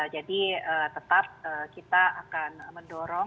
jadi tetap kita akan mendorong